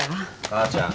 母ちゃん。